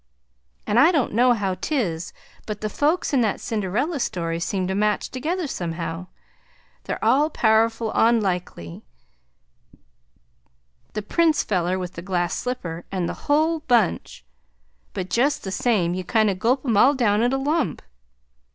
"I don' know how tis, but the folks in that Cinderella story seem to match together somehow; they're all pow'ful onlikely the prince feller with the glass slipper, and the hull bunch; but jest the same you kind o' gulp em all down in a lump.